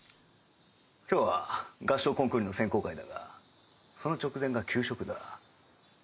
今日は合唱コンクールの選考会だがその直前が給食だ。